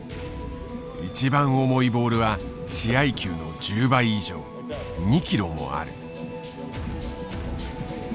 一番重いボールは試合球の１０倍以上２キロもある。